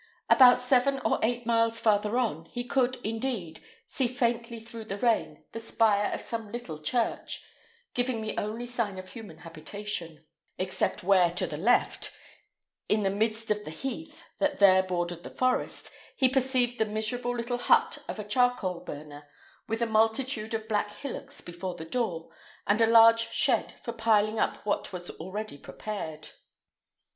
About seven or eight miles farther on, he could, indeed, see faintly through the rain the spire of some little church, giving the only sign of human habitation; except where, to the left, in the midst of the heath that there bordered the forest, he perceived the miserable little hut of a charcoal burner, with a multitude of black hillocks before the door, and a large shed for piling up what was already prepared.